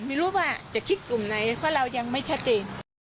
ไม่รู้ว่าจะคิดกลุ่มไหนเพราะเรายังไม่ชัดเจน